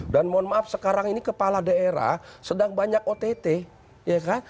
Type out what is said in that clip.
dan mohon maaf sekarang ini kepala daerah sedang banyak ott ya kan